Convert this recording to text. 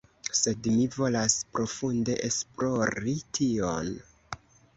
sed mi volas profunde esplori tion